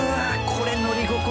これ乗り心地